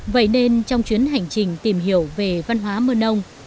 vậy nên trong chuyến hành trình tìm hiểu về văn hóa mơ nông